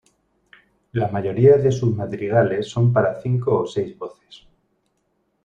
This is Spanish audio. La mayoría de sus madrigales son para cinco o seis voces.